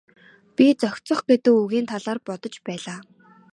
Би зохицох гэдэг үгийн талаар бодож байлаа.